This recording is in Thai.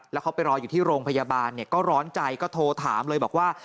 แล้วเขาไปรออยู่ที่โรงพยาบาลก็ร้อนใจก็โทรถามเลยบอกว่า